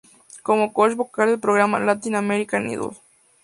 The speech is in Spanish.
Como coach vocal del programa "Latin American Idol".